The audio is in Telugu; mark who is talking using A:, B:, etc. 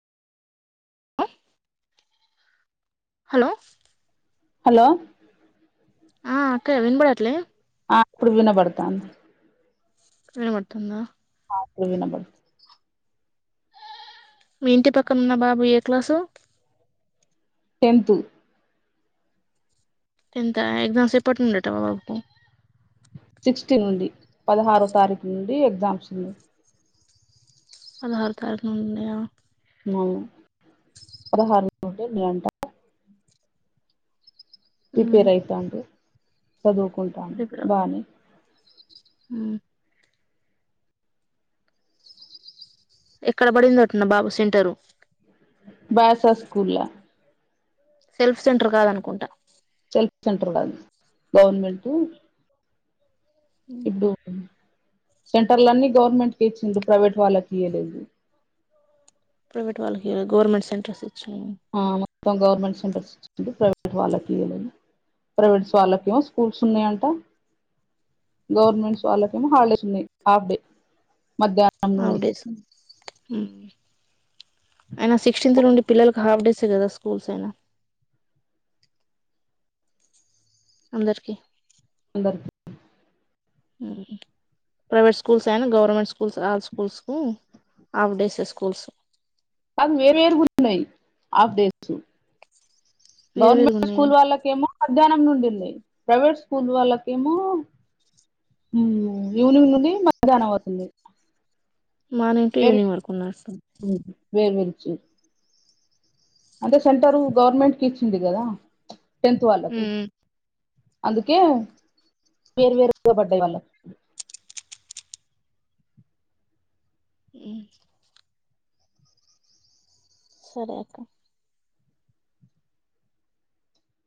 A: హలో
B: హలో
A: ఆ అక్క వినబడట్లే
B: ఆ ఇప్పుడు వినబడతాంది
A: వినబడుతుందా
B: ఆప్పులు వినబడు
A: మీ ఇంటి పక్కనన్న బాబు ఏ క్లాసు
B: టెంతు
A: టెన్త్ ఎగ్జామ్స్ ఎప్పటి ఉండట బాబుకు
B: సిక్స్టీ నుండి పదహారో తారీఖు నుండి ఎగ్జామ్స్ ఉంది
A: పదహారో తారీఖు నున్నయ
B: పదహారుంటడి అంట ప్రిపేర్ అయితా అండి
A: మ్మ్
B: చదుకుంటుండు బానే
A: అ ఎక్కడ పడింద అట్న్న బాబు సెంటరు
B: బాయ్స్ఎస్ స్కూల్
A: సెల్ఫ్ సెంటర్ కాద అనుకుంటా
B: సెల్ఫ్ సెంటర్ గాదు గవర్నమెంటు ఇప్పు సెంటర్లన్నీ గవర్నమెంట్కి ఇచ్చిండు ప్రైవేట్ వాళ్ళకి ఇవలేదు
A: ప్రైవేట్ వాళ్ళకి గవర్నమెంట్ సెంటర్స్ ఇచ్చినా
B: మొత్తం గవర్నమెంట్ సెంటర్స్ వచ్చింది ప్రైవేట్ వాళ్ళకి ఇవడి ప్రైవేట్స్ వాళ్ళకేమో స్కూల్స్ ఉన్నాయంట గవర్నమెంట్స్ వాళ్ళకేమో హాలిడేస్ ఉన్నాయి హాఫ్ డే మధ్యాహ్నం నుండి
A: అయినా సిక్స్టీన్త్ నుండి పిల్లలకి హాఫ్ డేస్ కదా స్కూల్స్ అయినా అందరికి
B: అన్దర్
A: ప్రైవేట్ స్కూల్స్ ఐన గవర్నమెంట్ స్కూల్స్ ల్ స్కూల్స్కు ఆఫ్ డేస్ స్కూల్స్
B: అవ్ వేరువేరు పుట్టినయ్ అప్డేట్
A: వేరు వేరుగా
B: గవర్నమెంట్
A: ఉన్నాయి
B: స్కూల్ వాళ్ళకేమో మధ్యాహ్నం నుండి ఉంది. ప్రైవేట్ స్కూల్ వాళ్ళకేమో ఈవినింగ్ నుండి మధ్యాహ్నం వరకు ఉన్నాయ్
A: మనేన్ ఈవనింగ్ వరకు ఉన్నారు సార్
B: వేయించి అంటే సెంటర్ గవర్నమెంట్ కి ఇచ్చింది. కదా టెన్తు వాళ్లకు
A: మ్మ్
B: అందుకే వేర్వేరుగా పడ్డాయి. వాళ్ళ
A: హమ్ సరే అక్క